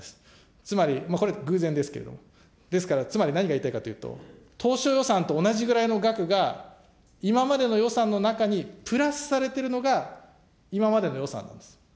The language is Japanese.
つまり、これ、偶然ですけれども、ですからつまり何が言いたいかというと、当初予算と同じぐらいの額が、今までの予算の中にプラスされてるのが、今までの予算なんです。